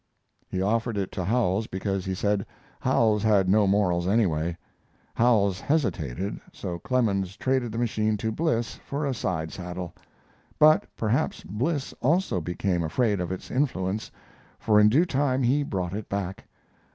He offered it to Howells because, he said, Howells had no morals anyway. Howells hesitated, so Clemens traded the machine to Bliss for a side saddle. But perhaps Bliss also became afraid of its influence, for in due time he brought it back.